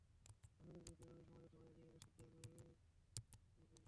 মাদকের বিরুদ্ধে এভাবে সমাজের সবাই এগিয়ে এলে শিগগিরই নবীনগর মাদকমুক্ত হবেই হবে।